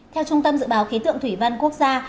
theo trung tâm dự báo khí tượng thủy văn quốc gia